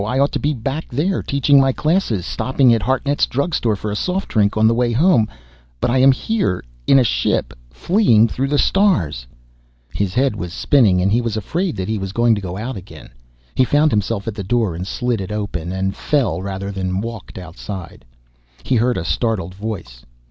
I ought to be back there, teaching my classes, stopping at Hartnett's Drug Store for a soft drink on the way home, but I am here in a ship fleeing through the stars ..._ His head was spinning and he was afraid that he was going to go out again. He found himself at the door and slid it open and fell rather than walked inside. He heard a startled voice.